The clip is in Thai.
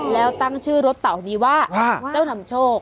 แล้วตั้งชื่อรถเต่านี้ว่าเจ้านำโชค